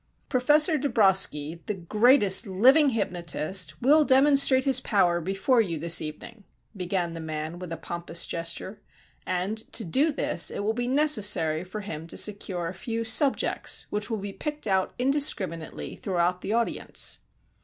"Professor Dabroski, the greatest living hypnotist, will demonstrate his power before you this evening," began the man, with a pompous gesture, "and to do this it will be necessary for him to secure a few 'subjects,' which will be picked out indiscriminately throughout the audience."